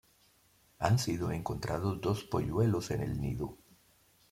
Han sido encontrados dos polluelos en el nido.